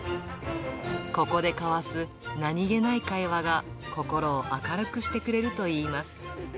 ここで交わす何気ない会話が、心を明るくしてくれるといいます。